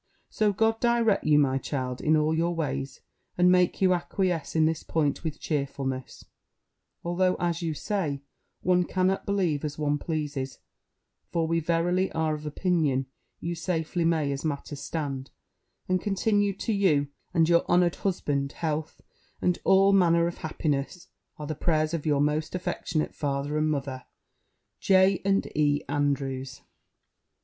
So God direct you, my child, in all your ways, and make you acquiesce in this point with cheerfulness (although, as you say, one cannot believe, as one pleases; for we verily are of opinion you safely may, as matters stand) and continue to you, and your honoured husband, health, and all manner of happiness, are the prayers of your most affectionate father and mother, J. and E. ANDREWS.